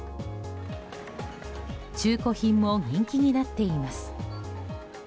中古品も人気になっています。